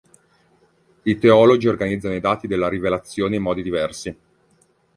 I teologi organizzano i dati della rivelazione in modi diversi.